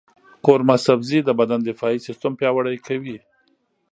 قورمه سبزي د بدن دفاعي سیستم پیاوړی کوي.